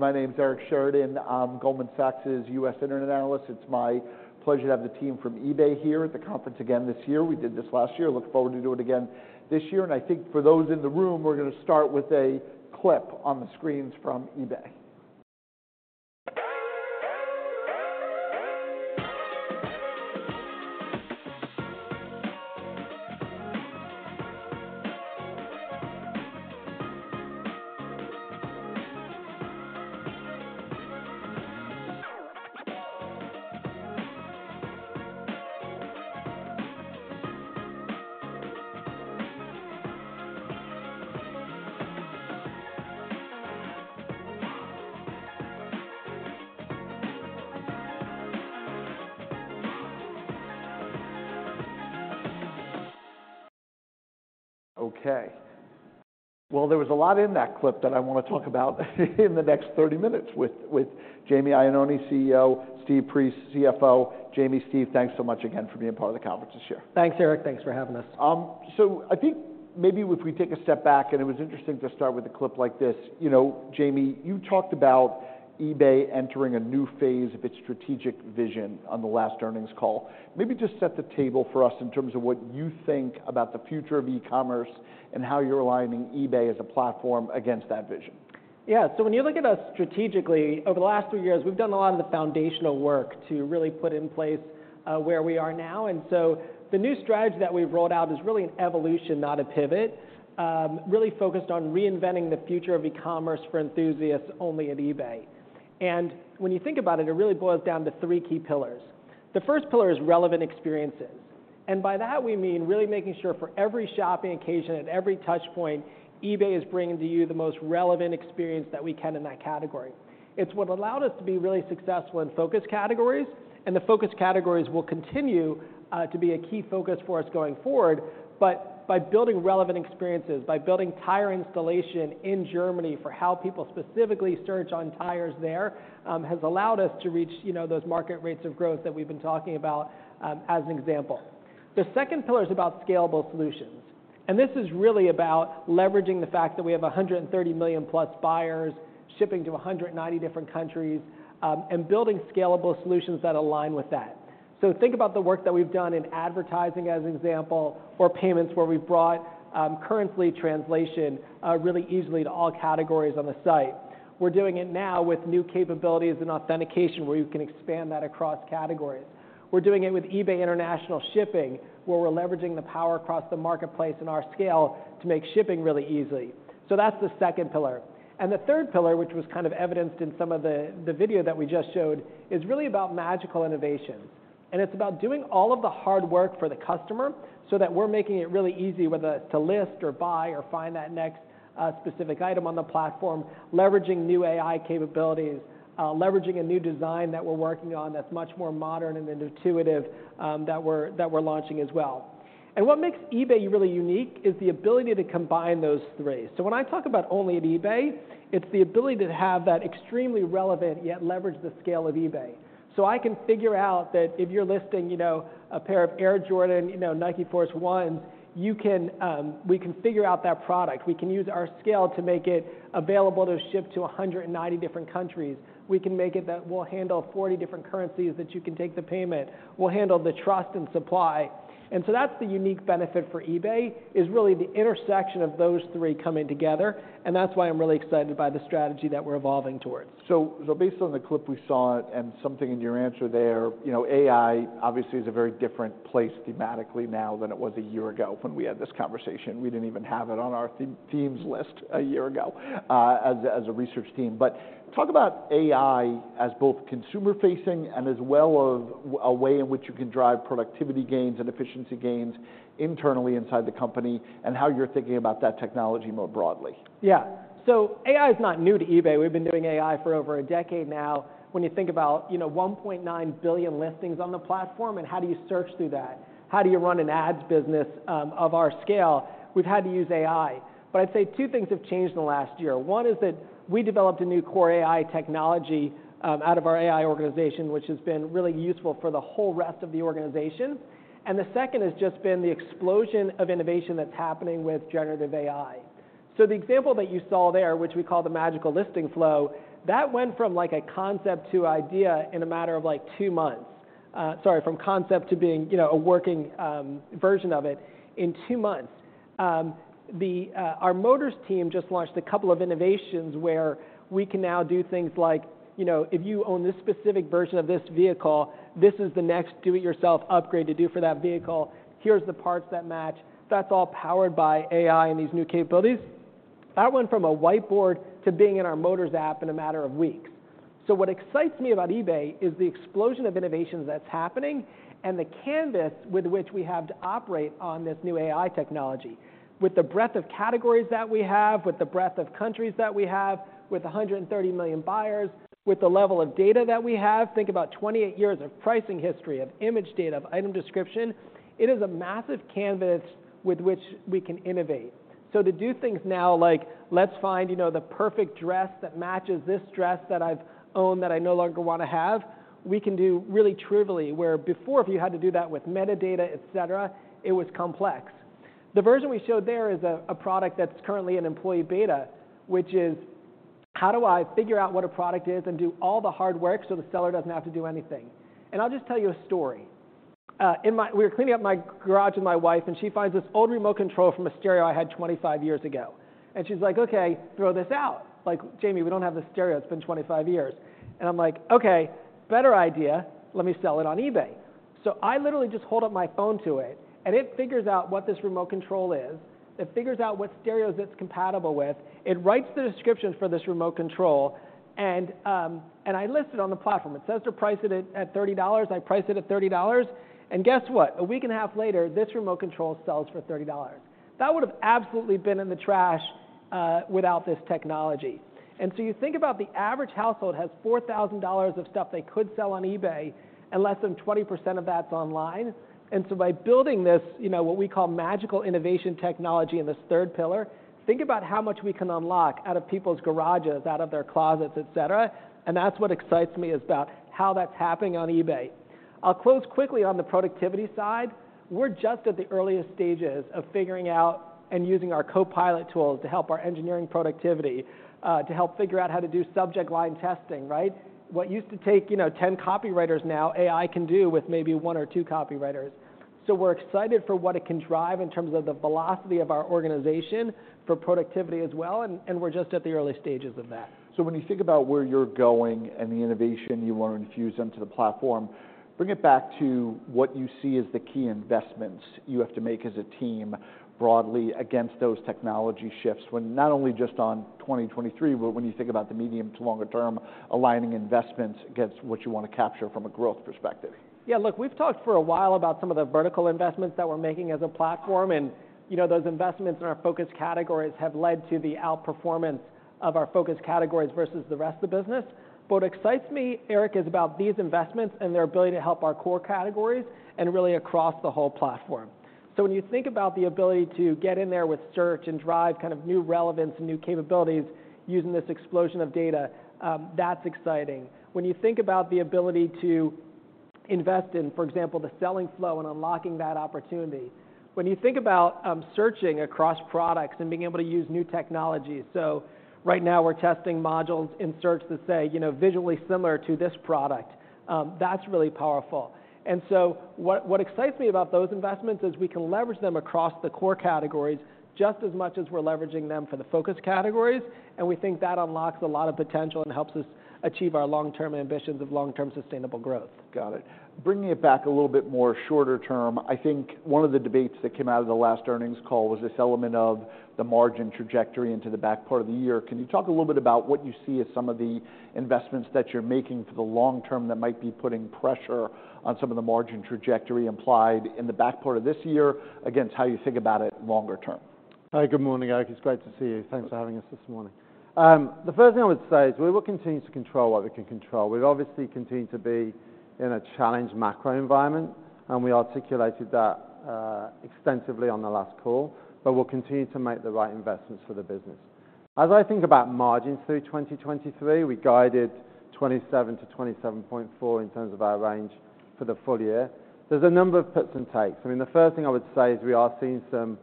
My name's Eric Sheridan. I'm Goldman Sachs's U.S. internet analyst. It's my pleasure to have the team from eBay here at the conference again this year. We did this last year, look forward to do it again this year, and I think for those in the room, we're gonna start with a clip on the screens from eBay. Okay. Well, there was a lot in that clip that I want to talk about in the next 30 minutes with, with Jamie Iannone, CEO, Steve Priest, CFO. Jamie, Steve, thanks so much again for being part of the conference this year. Thanks, Eric. Thanks for having us. So I think maybe if we take a step back, and it was interesting to start with a clip like this. You know, Jamie, you talked about eBay entering a new phase of its strategic vision on the last earnings call. Maybe just set the table for us in terms of what you think about the future of e-commerce and how you're aligning eBay as a platform against that vision. Yeah. So when you look at us strategically, over the last two years, we've done a lot of the foundational work to really put in place where we are now. And so the new strategy that we've rolled out is really an evolution, not a pivot, really focused on reinventing the future of e-commerce for enthusiasts only at eBay. And when you think about it, it really boils down to three key pillars. The first pillar is relevant experiences, and by that we mean really making sure for every shopping occasion and every touch point, eBay is bringing to you the most relevant experience that we can in that category. It's what allowed us to be really successful in Focus Categories, and the Focus Categories will continue to be a key focus for us going forward. But by building relevant experiences, by building tire installation in Germany for how people specifically search on tires there, has allowed us to reach, you know, those market rates of growth that we've been talking about, as an example. The second pillar is about scalable solutions, and this is really about leveraging the fact that we have 130 million+ buyers shipping to 190 different countries, and building scalable solutions that align with that. So think about the work that we've done in advertising, as an example, or payments, where we've brought, currently translation, really easily to all categories on the site. We're doing it now with new capabilities and authentication, where you can expand that across categories. We're doing it with eBay International Shipping, where we're leveraging the power across the marketplace and our scale to make shipping really easy. So that's the second pillar. And the third pillar, which was kind of evidenced in some of the video that we just showed, is really about magical innovations. And it's about doing all of the hard work for the customer so that we're making it really easy, whether to list or buy or find that next specific item on the platform, leveraging new AI capabilities, leveraging a new design that we're working on that's much more modern and intuitive, that we're launching as well. And what makes eBay really unique is the ability to combine those three. So when I talk about only at eBay, it's the ability to have that extremely relevant, yet leverage the scale of eBay. So I can figure out that if you're listing, you know, a pair of Air Jordan, you know, Nike Air Force 1s, you can. We can figure out that product. We can use our scale to make it available to ship to 190 different countries. We can make it that we'll handle 40 different currencies that you can take the payment. We'll handle the trust and supply. And so that's the unique benefit for eBay, is really the intersection of those three coming together, and that's why I'm really excited by the strategy that we're evolving towards. So based on the clip we saw and something in your answer there, you know, AI obviously is a very different place thematically now than it was a year ago when we had this conversation. We didn't even have it on our team, teams list a year ago, as a research team. But talk about AI as both consumer-facing and as well as a way in which you can drive productivity gains and efficiency gains internally inside the company, and how you're thinking about that technology more broadly. Yeah. So AI is not new to eBay. We've been doing AI for over a decade now. When you think about, you know, 1.9 billion listings on the platform, and how do you search through that? How do you run an ads business of our scale? We've had to use AI. But I'd say two things have changed in the last year. One is that we developed a new core AI technology out of our AI organization, which has been really useful for the whole rest of the organization. And the second has just been the explosion of innovation that's happening with generative AI. So the example that you saw there, which we call the Magical Listing Flow, that went from like a concept to idea in a matter of like two months. Sorry, from concept to being, you know, a working version of it in two months. Our Motors team just launched a couple of innovations where we can now do things like, you know, if you own this specific version of this vehicle, this is the next do-it-yourself upgrade to do for that vehicle. Here's the parts that match. That's all powered by AI and these new capabilities. That went from a whiteboard to being in our Motors app in a matter of weeks. So what excites me about eBay is the explosion of innovations that's happening and the canvas with which we have to operate on this new AI technology. With the breadth of categories that we have, with the breadth of countries that we have, with 130 million buyers, with the level of data that we have, think about 28 years of pricing history, of image data, of item description, it is a massive canvas with which we can innovate. So to do things now like, "Let's find, you know, the perfect dress that matches this dress that I've owned, that I no longer want to have," we can do really trivially, where before, if you had to do that with metadata, et cetera, it was complex. The version we showed there is a product that's currently in employee beta, which is how do I figure out what a product is and do all the hard work so the seller doesn't have to do anything? And I'll just tell you a story. We were cleaning up my garage with my wife, and she finds this old remote control from a stereo I had 25 years ago. And she's like: "Okay, throw this out. Like, Jamie, we don't have the stereo. It's been 25 years." And I'm like: "Okay, better idea, let me sell it on eBay." So I literally just hold up my phone to it, and it figures out what this remote control is. It figures out what stereos it's compatible with. It writes the description for this remote control, and I list it on the platform. It says to price it at $30. I price it at $30, and guess what? A week and a half later, this remote control sells for $30. That would have absolutely been in the trash without this technology. And so you think about the average household has $4,000 of stuff they could sell on eBay, and less than 20% of that's online. And so by building this, you know, what we call magical innovation technology in this third pillar, think about how much we can unlock out of people's garages, out of their closets, etc., and that's what excites me about how that's happening on eBay. I'll close quickly on the productivity side. We're just at the earliest stages of figuring out and using our Copilot tools to help our engineering productivity, to help figure out how to do subject line testing, right? What used to take, you know, 10 copywriters now, AI can do with maybe one or two copywriters. So we're excited for what it can drive in terms of the velocity of our organization for productivity as well, and we're just at the early stages of that. So when you think about where you're going and the innovation you want to infuse into the platform, bring it back to what you see as the key investments you have to make as a team broadly against those technology shifts, when not only just on 2023, but when you think about the medium to longer term, aligning investments against what you want to capture from a growth perspective. Yeah, look, we've talked for a while about some of the vertical investments that we're making as a platform. And, you know, those investments in our Focus Categories have led to the outperformance of our Focus Categories versus the rest of the business. But what excites me, Eric, is about these investments and their ability to help our core categories and really across the whole platform. So when you think about the ability to get in there with search and drive kind of new relevance and new capabilities using this explosion of data, that's exciting. When you think about the ability to invest in, for example, the selling flow and unlocking that opportunity, when you think about searching across products and being able to use new technologies. So right now, we're testing modules in search that say, you know, visually similar to this product. That's really powerful. And so what excites me about those investments is we can leverage them across the core categories just as much as we're leveraging them for the focus categories, and we think that unlocks a lot of potential and helps us achieve our long-term ambitions of long-term sustainable growth. Got it. Bringing it back a little bit more shorter term, I think one of the debates that came out of the last earnings call was this element of the margin trajectory into the back part of the year. Can you talk a little bit about what you see as some of the investments that you're making for the long term that might be putting pressure on some of the margin trajectory implied in the back part of this year, against how you think about it longer term? Hi, good morning, Eric. It's great to see you. Thanks for having us this morning. The first thing I would say is we will continue to control what we can control. We've obviously continued to be in a challenged macro environment, and we articulated that extensively on the last call, but we'll continue to make the right investments for the business. As I think about margins through 2023, we guided 27-27.4 in terms of our range for the full year. There's a number of puts and takes. I mean, the first thing I would say is we are seeing some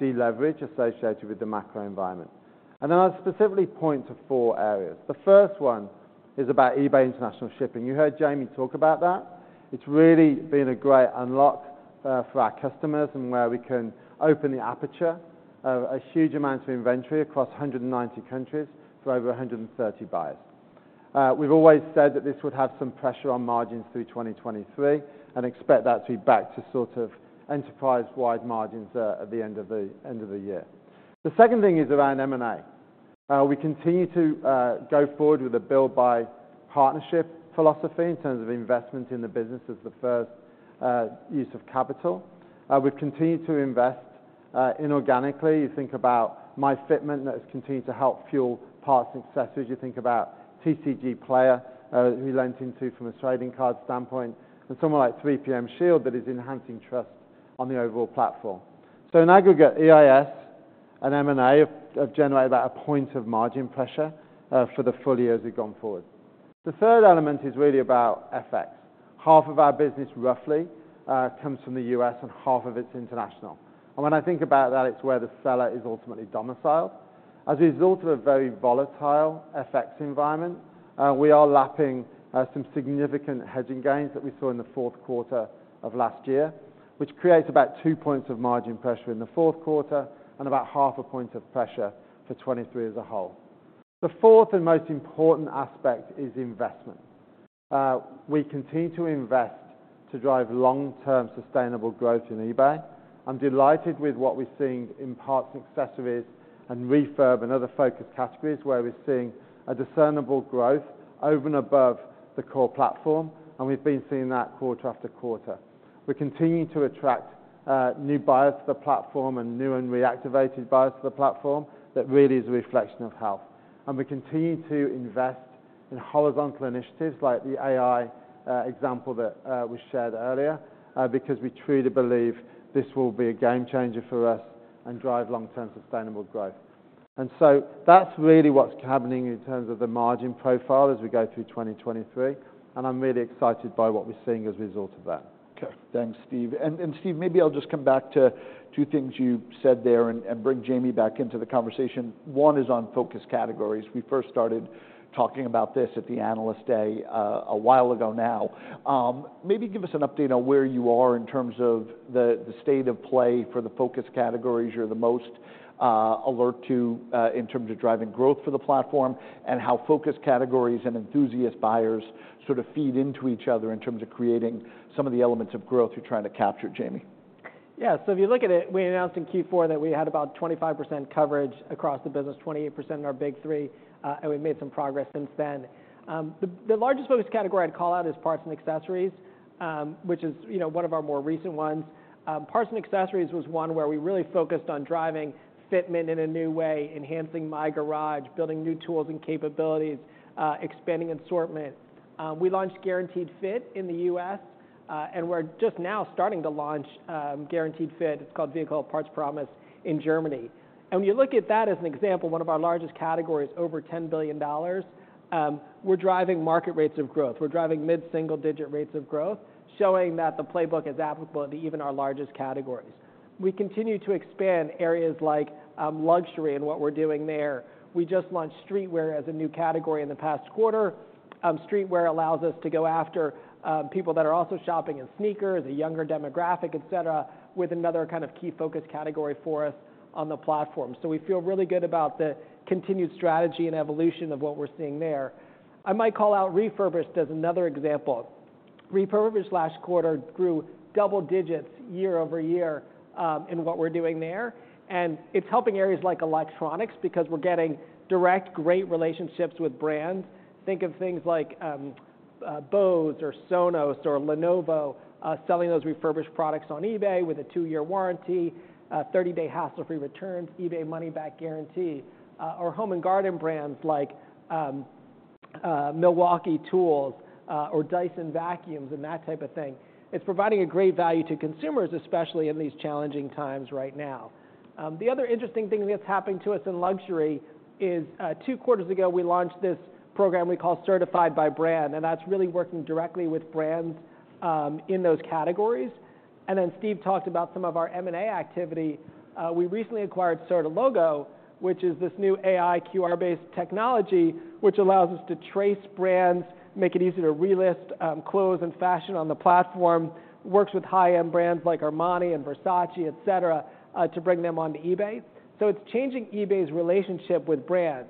deleverage associated with the macro environment. Then I'll specifically point to four areas. The first one is about eBay International Shipping. You heard Jamie talk about that. It's really been a great unlock for our customers and where we can open the aperture of a huge amount of inventory across 190 countries to over 130 buyers. We've always said that this would have some pressure on margins through 2023 and expect that to be back to sort of enterprise-wide margins at the end of the year. The second thing is around M&A. We continue to go forward with a build-by partnership philosophy in terms of investment in the business as the first use of capital. We've continued to invest inorganically. You think about myFitment, that has continued to help fuel parts and accessories. You think about TCGplayer, who lent into from a trading card standpoint, and someone like 3PM Shield, that is enhancing trust on the overall platform. So in aggregate, EIS and M&A have, have generated about a point of margin pressure, for the full year as we've gone forward. The third element is really about FX. Half of our business, roughly, comes from the U.S., and half of it's international. And when I think about that, it's where the seller is ultimately domiciled. As a result of a very volatile FX environment, we are lapping, some significant hedging gains that we saw in the fourth quarter of last year, which creates about two points of margin pressure in the fourth quarter and about half a point of pressure for 2023 as a whole. The fourth and most important aspect is investment. We continue to invest to drive long-term sustainable growth in eBay. I'm delighted with what we're seeing in parts and accessories and refurb and other focus categories, where we're seeing a discernible growth over and above the core platform, and we've been seeing that quarter after quarter. We're continuing to attract new buyers to the platform and new and reactivated buyers to the platform. That really is a reflection of health. And we continue to invest in horizontal initiatives like the AI example that we shared earlier because we truly believe this will be a game changer for us and drive long-term sustainable growth. And so that's really what's happening in terms of the margin profile as we go through 2023, and I'm really excited by what we're seeing as a result of that. Okay, thanks, Steve. And Steve, maybe I'll just come back to two things you said there and bring Jamie back into the conversation. One is on Focus Categories. We first started talking about this at the Analyst Day a while ago now. Maybe give us an update on where you are in terms of the state of play for the Focus Categories you're the most alert to in terms of driving growth for the platform, and how Focus Categories and enthusiast buyers sort of feed into each other in terms of creating some of the elements of growth you're trying to capture, Jamie. Yeah. So if you look at it, we announced in Q4 that we had about 25% coverage across the business, 28% in our big three, and we've made some progress since then. The largest focus category I'd call out is Parts and Accessories, which is, you know, one of our more recent ones. Parts and Accessories was one where we really focused on driving fitment in a new way, enhancing My Garage, building new tools and capabilities, expanding assortment. We launched Guaranteed Fit in the U.S., and we're just now starting to launch Guaranteed Fit. It's called Vehicle Parts Promise in Germany. And when you look at that as an example, one of our largest categories, over $10 billion, we're driving market rates of growth. We're driving mid-single-digit rates of growth, showing that the playbook is applicable to even our largest categories. We continue to expand areas like luxury and what we're doing there. We just launched streetwear as a new category in the past quarter. Streetwear allows us to go after people that are also shopping in sneakers, a younger demographic, et cetera, with another kind of key focus category for us on the platform. So we feel really good about the continued strategy and evolution of what we're seeing there. I might call out refurbished as another example. Refurbished last quarter grew double digits year-over-year, in what we're doing there, and it's helping areas like electronics because we're getting direct, great relationships with brands. Think of things like Bose or Sonos or Lenovo selling those refurbished products on eBay with a two-year warranty, a 30-day hassle-free returns, eBay Money Back Guarantee, or home and garden brands like Milwaukee Tools or Dyson Vacuums, and that type of thing. It's providing a great value to consumers, especially in these challenging times right now. The other interesting thing that's happening to us in luxury is two quarters ago, we launched this program we call Certified by Brand, and that's really working directly with brands in those categories. And then Steve talked about some of our M&A activity. We recently acquired Certilogo, which is this new AI QR-based technology, which allows us to trace brands, make it easy to relist clothes and fashion on the platform. Works with high-end brands like Armani and Versace, et cetera, to bring them onto eBay. So it's changing eBay's relationship with brands.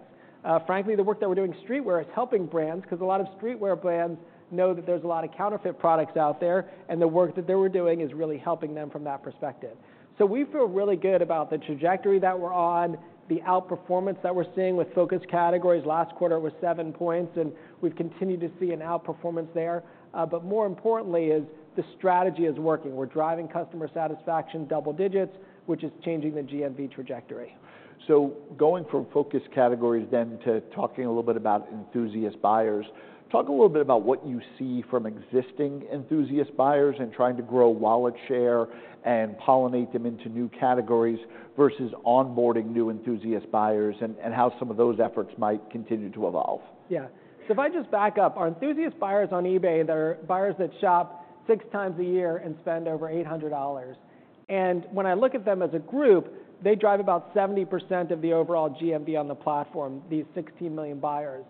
Frankly, the work that we're doing in streetwear is helping brands, 'cause a lot of streetwear brands know that there's a lot of counterfeit products out there, and the work that they were doing is really helping them from that perspective. So we feel really good about the trajectory that we're on, the outperformance that we're seeing with Focus Categories. Last quarter, it was seven points, and we've continued to see an outperformance there. But more importantly is the strategy is working. We're driving customer satisfaction double digits, which is changing the GMV trajectory. Going from Focus Categories, then to talking a little bit about enthusiast buyers. Talk a little bit about what you see from existing enthusiast buyers and trying to grow wallet share and pollinate them into new categories versus onboarding new enthusiast buyers, and, and how some of those efforts might continue to evolve. Yeah. So if I just back up, our enthusiast buyers on eBay, they're buyers that shop six times a year and spend over $800. And when I look at them as a group, they drive about 70% of the overall GMV on the platform, these 16 million buyers.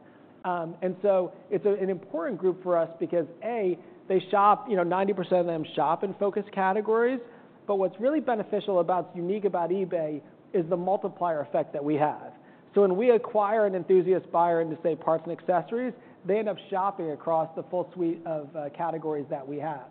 And so it's an important group for us because, a, they shop... You know, 90% of them shop in focus categories, but what's really beneficial about, unique about eBay is the multiplier effect that we have. So when we acquire an enthusiast buyer into, say, parts and accessories, they end up shopping across the full suite of, categories that we have.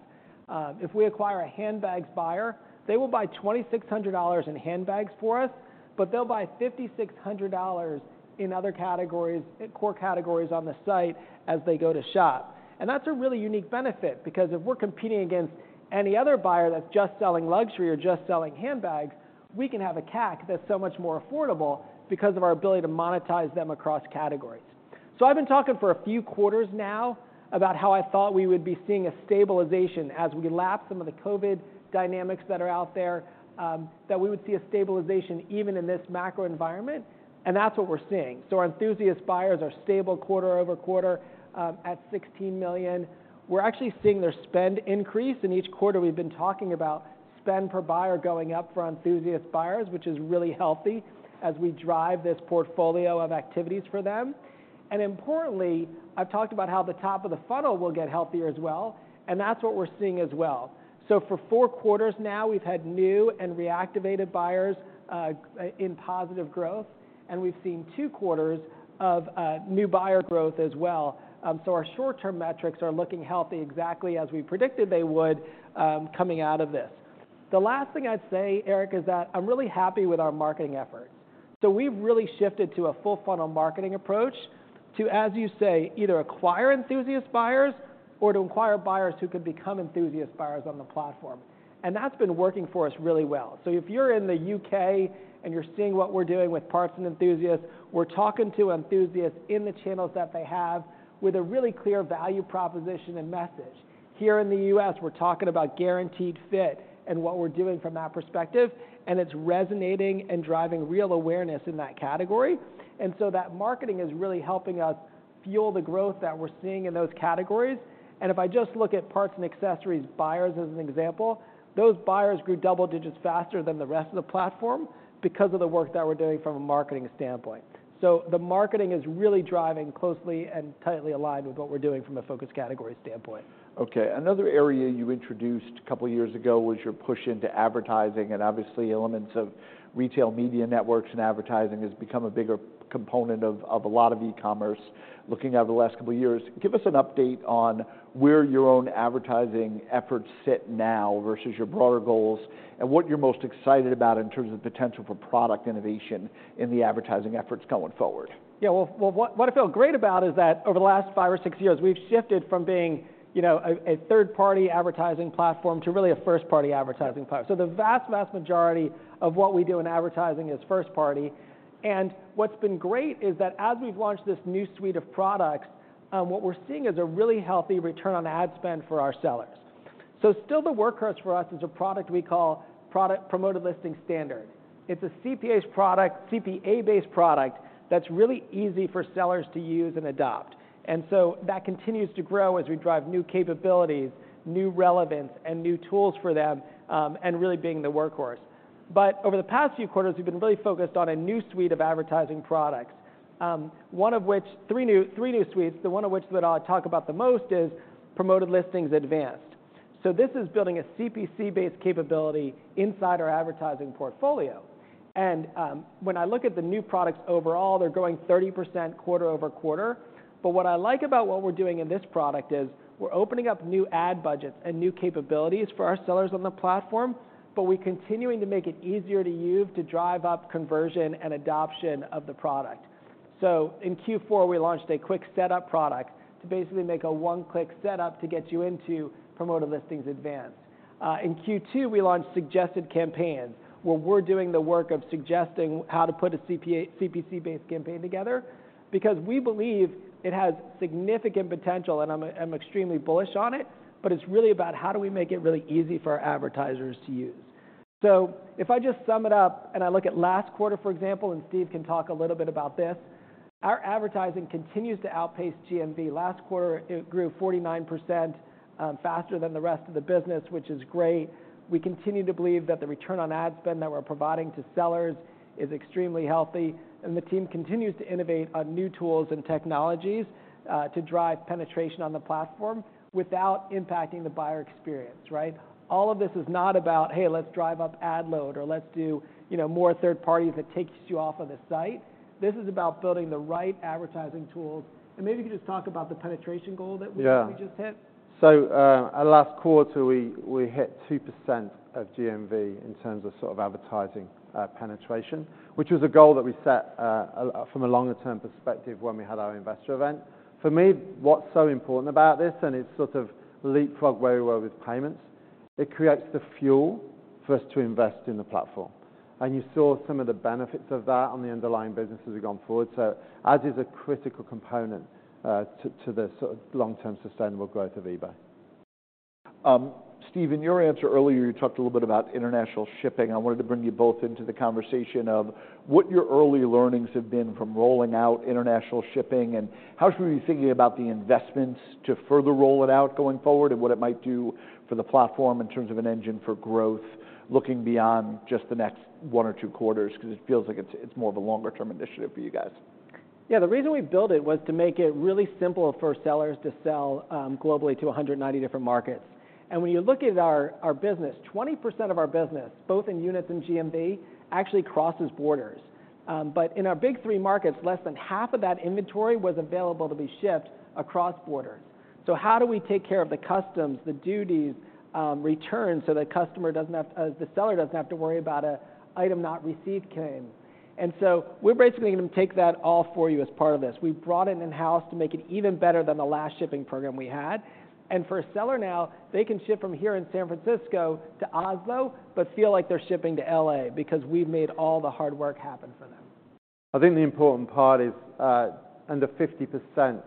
If we acquire a handbags buyer, they will buy $2,600 in handbags for us, but they'll buy $5,600 in other categories, core categories on the site as they go to shop. And that's a really unique benefit because if we're competing against any other buyer that's just selling luxury or just selling handbags, we can have a CAC that's so much more affordable because of our ability to monetize them across categories. So I've been talking for a few quarters now about how I thought we would be seeing a stabilization as we lap some of the COVID dynamics that are out there, that we would see a stabilization even in this macro environment, and that's what we're seeing. So our enthusiast buyers are stable quarter-over-quarter, at 16 million. We're actually seeing their spend increase. In each quarter, we've been talking about spend per buyer going up for enthusiast buyers, which is really healthy as we drive this portfolio of activities for them. And importantly, I've talked about how the top of the funnel will get healthier as well, and that's what we're seeing as well. So for four quarters now, we've had new and reactivated buyers in positive growth, and we've seen two quarters of new buyer growth as well. So our short-term metrics are looking healthy exactly as we predicted they would, coming out of this. The last thing I'd say, Eric, is that I'm really happy with our marketing efforts. So we've really shifted to a full funnel marketing approach to, as you say, either acquire enthusiast buyers or to acquire buyers who could become enthusiast buyers on the platform. That's been working for us really well. So if you're in the U.K. and you're seeing what we're doing with parts and enthusiasts, we're talking to enthusiasts in the channels that they have with a really clear value proposition and message. Here in the U.S., we're talking about Guaranteed Fit and what we're doing from that perspective, and it's resonating and driving real awareness in that category. So that marketing is really helping us fuel the growth that we're seeing in those categories. And if I just look at parts and accessories buyers as an example, those buyers grew double digits faster than the rest of the platform because of the work that we're doing from a marketing standpoint. So the marketing is really driving closely and tightly aligned with what we're doing from a Focus Category standpoint. Okay. Another area you introduced a couple of years ago was your push into advertising, and obviously, elements of retail media networks and advertising has become a bigger component of a lot of e-commerce. Looking over the last couple of years, give us an update on where your own advertising efforts sit now versus your broader goals, and what you're most excited about in terms of potential for product innovation in the advertising efforts going forward? Yeah, well, what I feel great about is that over the last five or six years, we've shifted from being, you know, a third-party advertising platform to really a first-party advertising platform. So the vast, vast majority of what we do in advertising is first party. And what's been great is that as we've launched this new suite of products, what we're seeing is a really healthy return on ad spend for our sellers. So still the workhorse for us is a product we call Promoted Listings Standard. It's a CPA-based product that's really easy for sellers to use and adopt. And so that continues to grow as we drive new capabilities, new relevance, and new tools for them, and really being the workhorse. Over the past few quarters, we've been really focused on a new suite of advertising products, one of which, three new, three new suites, the one of which that I talk about the most is Promoted Listings Advanced. This is building a CPC-based capability inside our advertising portfolio. When I look at the new products overall, they're growing 30% quarter-over-quarter. What I like about what we're doing in this product is we're opening up new ad budgets and new capabilities for our sellers on the platform, but we're continuing to make it easier to use to drive up conversion and adoption of the product. In Q4, we launched a quick setup product to basically make a one-click setup to get you into Promoted Listings Advanced. In Q2, we launched Suggested Campaigns, where we're doing the work of suggesting how to put a CPA-CPC-based campaign together because we believe it has significant potential, and I'm extremely bullish on it, but it's really about how do we make it really easy for our advertisers to use. So if I just sum it up and I look at last quarter, for example, and Steve can talk a little bit about this, our advertising continues to outpace GMV. Last quarter, it grew 49% faster than the rest of the business, which is great. We continue to believe that the return on ad spend that we're providing to sellers is extremely healthy, and the team continues to innovate on new tools and technologies to drive penetration on the platform without impacting the buyer experience, right? All of this is not about, "Hey, let's drive up ad load," or, "Let's do, you know, more third parties that takes you off of the site." This is about building the right advertising tools. And maybe you could just talk about the penetration goal that we- Yeah. We just hit. At last quarter, we hit 2% of GMV in terms of sort of advertising penetration, which was a goal that we set from a longer-term perspective when we had our investor event. For me, what's so important about this, and it sort of leapfrog very well with payments, it creates the fuel for us to invest in the platform. And you saw some of the benefits of that on the underlying business as we've gone forward. Ad is a critical component to the sort of long-term sustainable growth of eBay. Steve, in your answer earlier, you talked a little bit about international shipping. I wanted to bring you both into the conversation of what your early learnings have been from rolling out international shipping, and how should we be thinking about the investments to further roll it out going forward, and what it might do for the platform in terms of an engine for growth, looking beyond just the next one or two quarters, because it feels like it's more of a longer-term initiative for you guys? Yeah, the reason we built it was to make it really simple for sellers to sell globally to 190 different markets. And when you look at our, our business, 20% of our business, both in units and GMV, actually crosses borders. But in our big three markets, less than half of that inventory was available to be shipped across borders. So how do we take care of the customs, the duties, returns, so the customer doesn't have, the seller doesn't have to worry about a item not received claim? And so we're basically going to take that all for you as part of this. We brought it in-house to make it even better than the last shipping program we had. For a seller now, they can ship from here in San Francisco to Oslo, but feel like they're shipping to LA because we've made all the hard work happen for them. I think the important part is, under 50%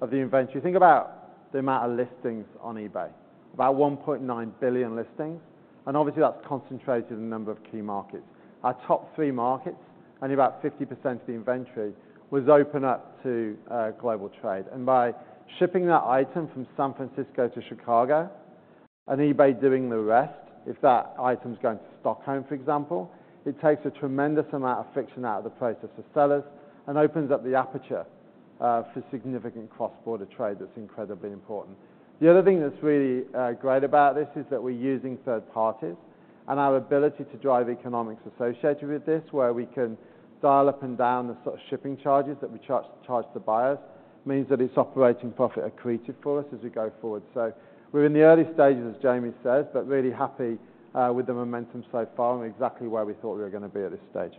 of the inventory. Think about the amount of listings on eBay, about 1.9 billion listings, and obviously that's concentrated in a number of key markets. Our top three markets, only about 50% of the inventory was open up to, global trade. And by shipping that item from San Francisco to Chicago, and eBay doing the rest, if that item's going to Stockholm, for example, it takes a tremendous amount of friction out of the process for sellers and opens up the aperture, for significant cross-border trade. That's incredibly important. The other thing that's really great about this is that we're using third parties and our ability to drive economics associated with this, where we can dial up and down the sort of shipping charges that we charge, charge the buyers, means that it's operating profit accretive for us as we go forward. We're in the early stages, as Jamie said, but really happy with the momentum so far and exactly where we thought we were gonna be at this stage....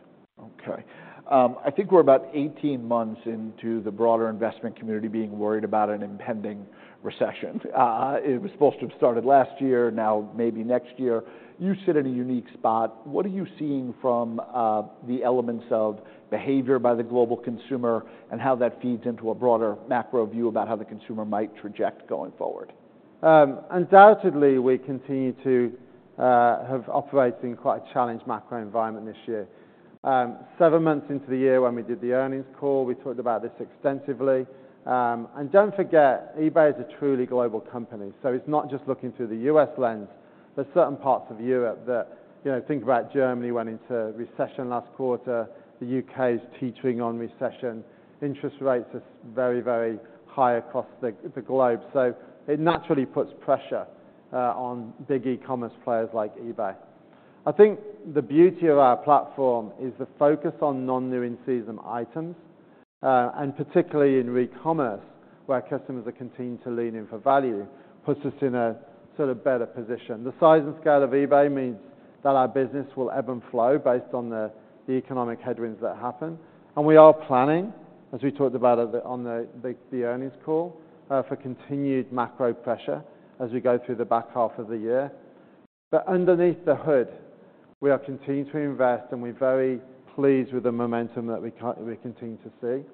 Okay. I think we're about 18 months into the broader investment community being worried about an impending recession. It was supposed to have started last year, now maybe next year. You sit in a unique spot. What are you seeing from the elements of behavior by the global consumer, and how that feeds into a broader macro view about how the consumer might project going forward? Undoubtedly, we continue to have operating quite a challenged macro environment this year. Seven months into the year, when we did the earnings call, we talked about this extensively. And don't forget, eBay is a truly global company, so it's not just looking through the U.S. lens. There's certain parts of Europe that, you know, think about Germany, went into recession last quarter, the U.K. is teetering on recession. Interest rates are very, very high across the globe. So it naturally puts pressure on big e-commerce players like eBay. I think the beauty of our platform is the focus on non-new in-season items, and particularly in recommerce, where customers are continuing to lean in for value, puts us in a sort of better position. The size and scale of eBay means that our business will ebb and flow based on the economic headwinds that happen. And we are planning, as we talked about on the earnings call, for continued macro pressure as we go through the back half of the year. But underneath the hood, we are continuing to invest, and we're very pleased with the momentum that we're continuing to see.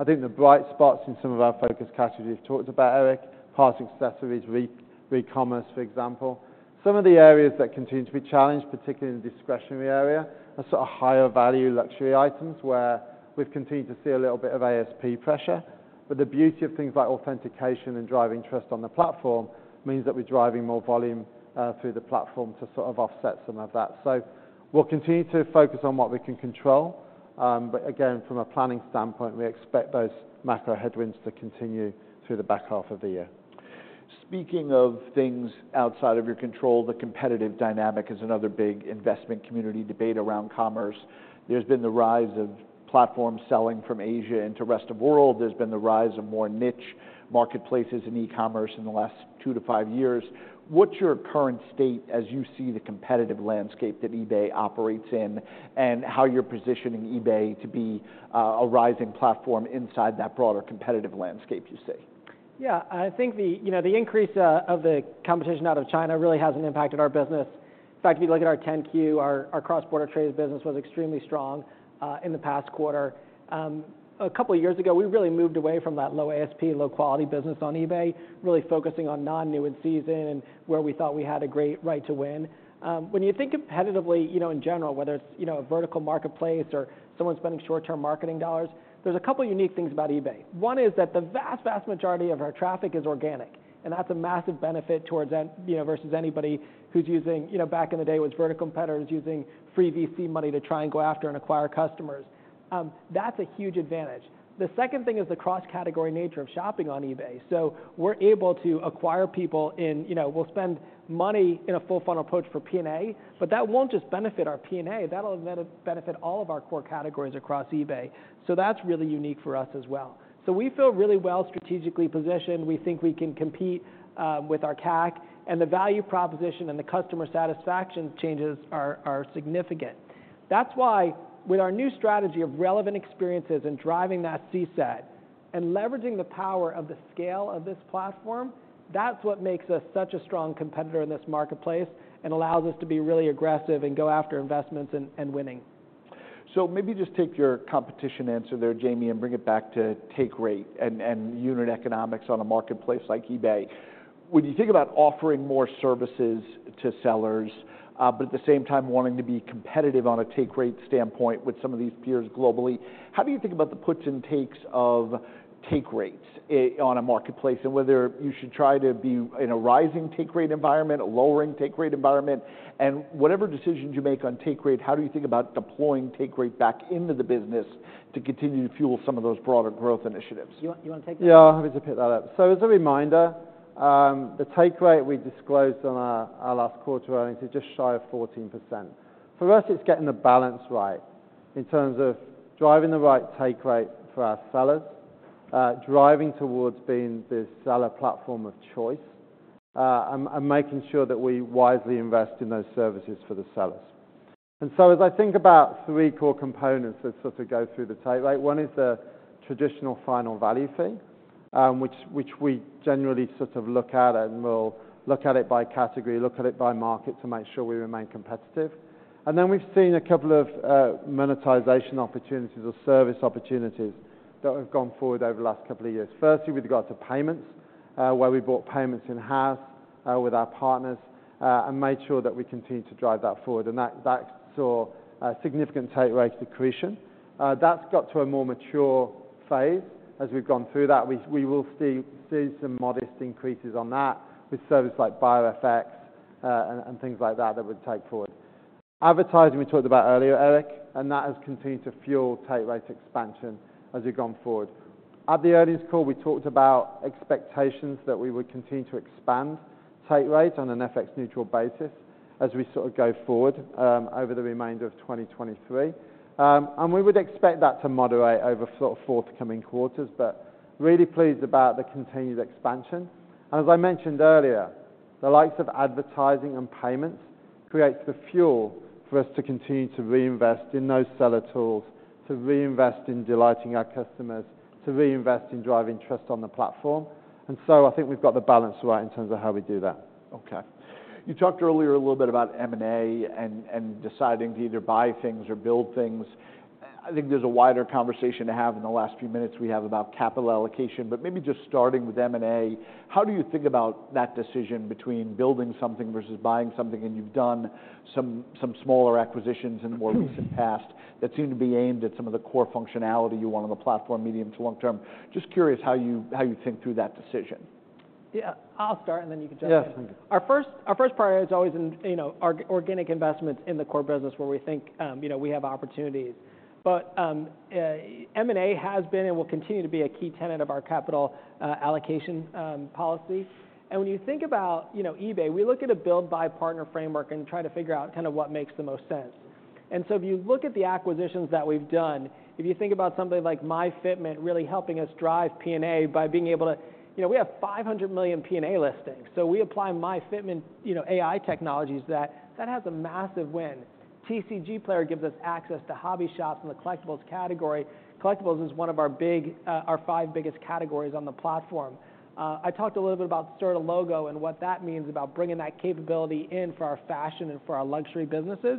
I think the bright spots in some of our focus categories, we've talked about, Eric, parts, accessories, Recommerce, for example. Some of the areas that continue to be challenged, particularly in the discretionary area, are sort of higher value luxury items, where we've continued to see a little bit of ASP pressure. But the beauty of things like authentication and driving trust on the platform means that we're driving more volume, through the platform to sort of offset some of that. So we'll continue to focus on what we can control. But again, from a planning standpoint, we expect those macro headwinds to continue through the back half of the year. Speaking of things outside of your control, the competitive dynamic is another big investment community debate around commerce. There's been the rise of platforms selling from Asia into rest of world. There's been the rise of more niche marketplaces in e-commerce in the last two-five years. What's your current state as you see the competitive landscape that eBay operates in, and how you're positioning eBay to be a rising platform inside that broader competitive landscape you see? Yeah, I think the, you know, the increase of the competition out of China really hasn't impacted our business. In fact, if you look at our 10-Q, our cross-border trades business was extremely strong in the past quarter. A couple of years ago, we really moved away from that low ASP, low-quality business on eBay, really focusing on non-new and season, and where we thought we had a great right to win. When you think competitively, you know, in general, whether it's a vertical marketplace or someone spending short-term marketing dollars, there's a couple unique things about eBay. One is that the vast, vast majority of our traffic is organic, and that's a massive benefit towards then, you know, versus anybody who's using, you know, back in the day, was vertical competitors using free VC money to try and go after and acquire customers. That's a huge advantage. The second thing is the cross-category nature of shopping on eBay. So we're able to acquire people in, you know, we'll spend money in a full funnel approach for P&A, but that won't just benefit our P&A, that'll benefit all of our core categories across eBay. So that's really unique for us as well. So we feel really well strategically positioned. We think we can compete with our CAC, and the value proposition and the customer satisfaction changes are significant. That's why with our new strategy of relevant experiences and driving that CSAT and leveraging the power of the scale of this platform, that's what makes us such a strong competitor in this marketplace and allows us to be really aggressive and go after investments and, and winning. So maybe just take your competition answer there, Jamie, and bring it back to take rate and unit economics on a marketplace like eBay. When you think about offering more services to sellers, but at the same time wanting to be competitive on a take rate standpoint with some of these peers globally, how do you think about the puts and takes of take rates on a marketplace? And whether you should try to be in a rising take rate environment, a lowering take rate environment, and whatever decisions you make on take rate, how do you think about deploying take rate back into the business to continue to fuel some of those broader growth initiatives? You want to take that? Yeah, I'm happy to pick that up. So as a reminder, the take rate we disclosed on our last quarter earnings is just shy of 14%. For us, it's getting the balance right in terms of driving the right take rate for our sellers, driving towards being the seller platform of choice, and making sure that we wisely invest in those services for the sellers. And so as I think about three core components that sort of go through the take rate, one is the traditional final value fee, which we generally sort of look at, and we'll look at it by category, look at it by market, to make sure we remain competitive. And then we've seen a couple of monetization opportunities or service opportunities that have gone forward over the last couple of years. Firstly, with regard to payments, where we bought payments in-house, with our partners, and made sure that we continued to drive that forward, and that saw a significant take rate accretion. That's got to a more mature phase. As we've gone through that, we will see some modest increases on that with services like buyer FX, and things like that, that would take forward. Advertising, we talked about earlier, Eric, and that has continued to fuel take rate expansion as we've gone forward. At the earnings call, we talked about expectations that we would continue to expand take rate on an FX neutral basis as we sort of go forward, over the remainder of 2023. And we would expect that to moderate over sort of forthcoming quarters, but really pleased about the continued expansion. And as I mentioned earlier-... The likes of advertising and payments creates the fuel for us to continue to reinvest in those seller tools, to reinvest in delighting our customers, to reinvest in driving trust on the platform. And so I think we've got the balance right in terms of how we do that. Okay. You talked earlier a little bit about M&A and deciding to either buy things or build things. I think there's a wider conversation to have in the last few minutes we have about capital allocation, but maybe just starting with M&A, how do you think about that decision between building something versus buying something? And you've done some smaller acquisitions in the more recent past that seem to be aimed at some of the core functionality you want on the platform, medium to long term. Just curious how you think through that decision. Yeah, I'll start, and then you can jump in. Yes. Our priority is always, you know, organic investments in the core business where we think, you know, we have opportunities. But M&A has been and will continue to be a key tenet of our capital allocation policy. And when you think about, you know, eBay, we look at a build-by partner framework and try to figure out kind of what makes the most sense. And so if you look at the acquisitions that we've done, if you think about something like myFitment really helping us drive P&A by being able to you know, we have 500 million P&A listings, so we apply myFitment, you know, AI technologies, that has a massive win. TCGplayer gives us access to hobby shops in the collectibles category. Collectibles is one of our five biggest categories on the platform. I talked a little bit about Certilogo and what that means about bringing that capability in for our fashion and for our luxury businesses.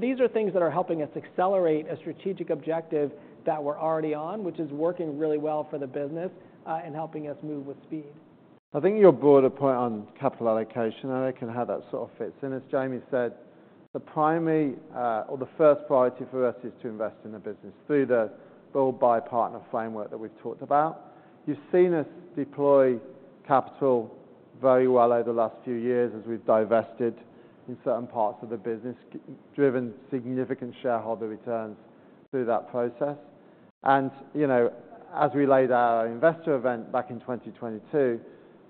These are things that are helping us accelerate a strategic objective that we're already on, which is working really well for the business, and helping us move with speed. I think your broader point on capital allocation, and I can have that sort of fit. And as Jamie said, the primary, or the first priority for us is to invest in the business through the build-by partner framework that we've talked about. You've seen us deploy capital very well over the last few years as we've divested in certain parts of the business, driven significant shareholder returns through that process. And, you know, as we laid our investor event back in 2022,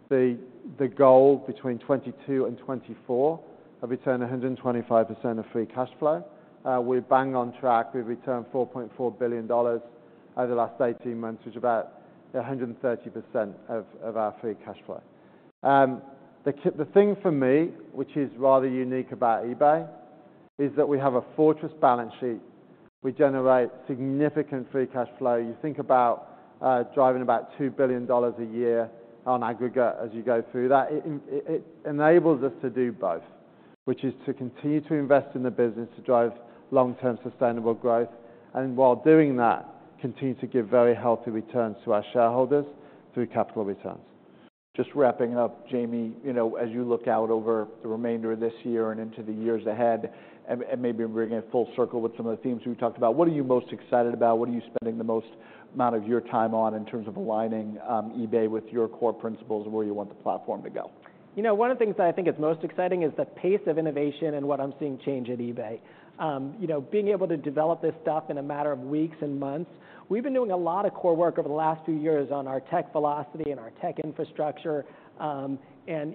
the goal between 2022 and 2024 of returning 125% of free cash flow. We're bang on track. We've returned $4.4 billion over the last 18 months, which is about 130% of our free cash flow. The thing for me, which is rather unique about eBay, is that we have a fortress balance sheet. We generate significant free cash flow. You think about driving about $2 billion a year on aggregate as you go through that. It enables us to do both, which is to continue to invest in the business, to drive long-term sustainable growth, and while doing that, continue to give very healthy returns to our shareholders through capital returns. Just wrapping up, Jamie, you know, as you look out over the remainder of this year and into the years ahead, and, and maybe bringing it full circle with some of the themes we talked about, what are you most excited about? What are you spending the most amount of your time on in terms of aligning, eBay with your core principles and where you want the platform to go? You know, one of the things that I think is most exciting is the pace of innovation and what I'm seeing change at eBay. You know, being able to develop this stuff in a matter of weeks and months. We've been doing a lot of core work over the last few years on our tech velocity and our tech infrastructure, and,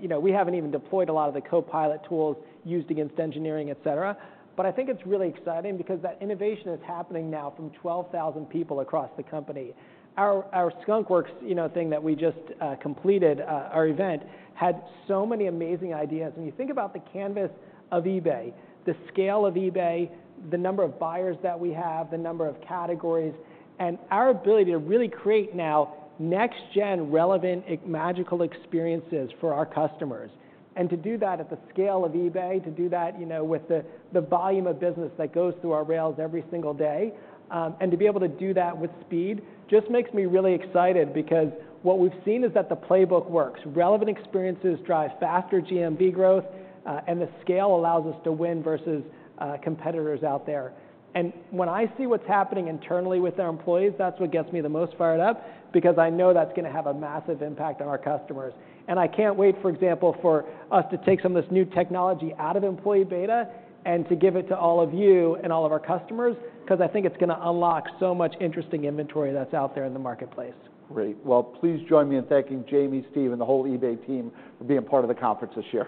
you know, we haven't even deployed a lot of the copilot tools used against engineering, et cetera. But I think it's really exciting because that innovation is happening now from 12,000 people across the company. Our, our Skunkworks, you know, thing that we just completed, our event, had so many amazing ideas. When you think about the canvas of eBay, the scale of eBay, the number of buyers that we have, the number of categories, and our ability to really create now next gen, relevant, e.g., magical experiences for our customers. And to do that at the scale of eBay, to do that, you know, with the volume of business that goes through our rails every single day, and to be able to do that with speed, just makes me really excited, because what we've seen is that the playbook works. Relevant experiences drive faster GMV growth, and the scale allows us to win versus competitors out there. And when I see what's happening internally with our employees, that's what gets me the most fired up, because I know that's gonna have a massive impact on our customers. I can't wait, for example, for us to take some of this new technology out of employee beta and to give it to all of you and all of our customers, 'cause I think it's gonna unlock so much interesting inventory that's out there in the marketplace. Great. Well, please join me in thanking Jamie, Steve, and the whole eBay team for being part of the conference this year.